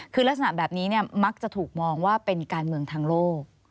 คือลักษณะแบบนี้มักจะถูกมองว่าเป็นการเมืองทางโลก